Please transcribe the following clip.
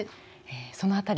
その辺り